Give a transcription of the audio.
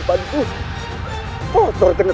jangan sampai terjatuh